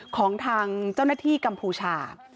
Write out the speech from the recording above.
ของทางเจ้าหน้าที่กัมพูชา